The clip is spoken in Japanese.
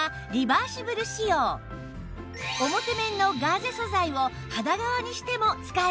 表面のガーゼ素材を肌側にしても使えるんです